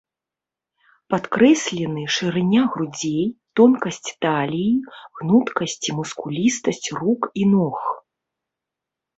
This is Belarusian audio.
Падкрэслены шырыня грудзей, тонкасць таліі, гнуткасць і мускулістасць рук і ног.